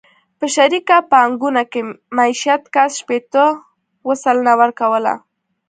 په شریکه پانګونه کې مېشت کس شپېته اووه سلنه ورکوله.